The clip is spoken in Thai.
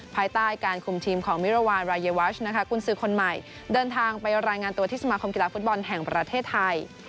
ภายใต้การคุมทีมของมิรวาลรายวัชนะคะกุญสือคนใหม่เดินทางไปรายงานตัวที่สมาคมกีฬาฟุตบอลแห่งประเทศไทย